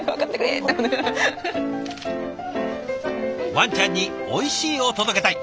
ワンちゃんにおいしいを届けたい。